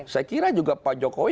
saya kira juga pak jokowi